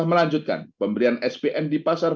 melanjutkan pemberian spn di pasar